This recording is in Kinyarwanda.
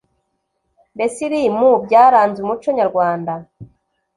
mbese iri mu byaranze umuco nyarwanda